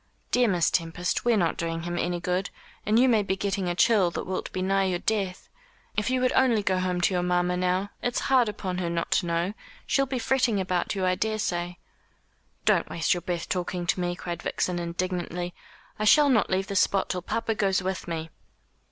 "Dear Miss Tempest, we're not doing him any good, and you may be getting a chill that will be nigh your death. If you would only go home to your mamma, now it's hard upon her not to know she'll be fretting about you, I daresay." "Don't waste your breath talking to me," cried Vixen indignantly; "I shall not leave this spot till papa goes with me."